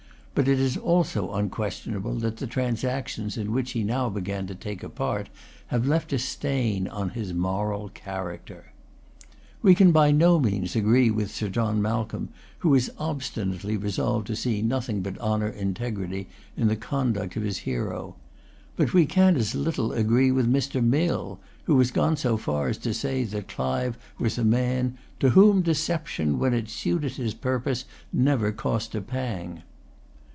But it is also unquestionable that the transactions in which he now began to take a part have left a stain on his moral character. We can by no means agree with Sir John Malcolm, who is obstinately resolved to see nothing but honour and integrity in the conduct of his hero. But we can as little agree with Mr. Mill, who has gone so far as to say that Clive was a man "to whom deception, when it suited his purpose, never cost a pang."